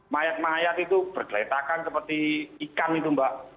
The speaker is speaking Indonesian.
mayat mayat itu bergeletakan seperti ikan itu mbak